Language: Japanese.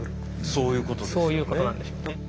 そういうことなんでしょうね。